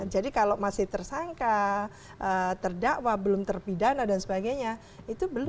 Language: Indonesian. jadi kalau masih tersangka terdakwa belum terpidana dan sebagainya itu belum